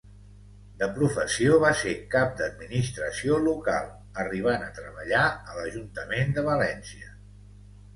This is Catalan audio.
De professió va ser cap d'administració local, arribant a treballar a l'ajuntament de València.